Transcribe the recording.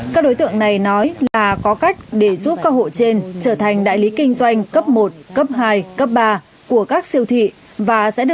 các đối tượng này nói là có cách để giải quyết